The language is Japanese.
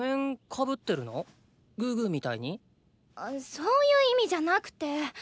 そーゆー意味じゃなくて！